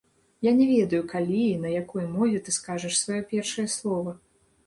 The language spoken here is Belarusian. Я ня ведаю, калі і на якой мове ты скажаш сваё першае слова.